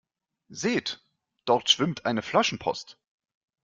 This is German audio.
Seht, dort schwimmt eine Flaschenpost!